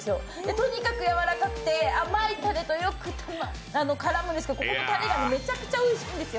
とにかくやわらかくて甘いたれとよく絡むんですけど、ここのたれがめちゃくちゃおいしいんですよ。